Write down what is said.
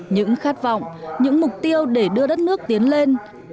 những khát vọng những mục tiêu để đưa đất nước tiến lên